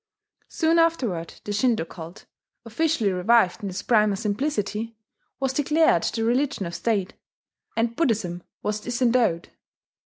Soon afterward the Shinto cult, officially revived in its primal simplicity, was declared the Religion of State; and Buddhism was disendowed.